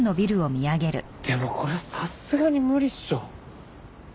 でもこれさすがに無理っしょ。